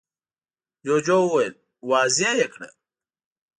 جوجو وويل: واضح يې کړه!